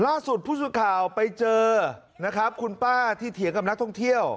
ล่าสุดผู้สื่อข่าวไปเจอนะครับคุณป้าที่เถียงกับนักท่องเที่ยว